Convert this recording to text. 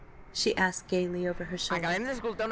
she asked gaily, over her shoulder.